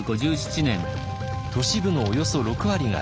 都市部のおよそ６割が焼失。